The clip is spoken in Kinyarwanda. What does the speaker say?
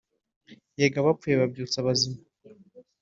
yego abapfuye babyutsa abazima